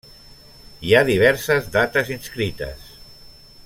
Hi ha diverses dates inscrites.